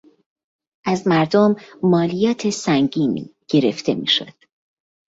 از مردم مالیات سنگینی گرفته میشد.